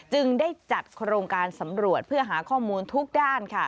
จึงได้จัดโครงการสำรวจเพื่อหาข้อมูลทุกด้าน